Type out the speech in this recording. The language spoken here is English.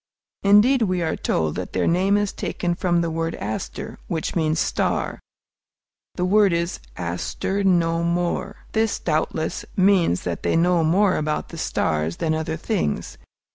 Indeed, we are told that their name is taken from the word aster, which means "star;" the word is "aster know more." This, doubtless, means that they know more about the stars than other things.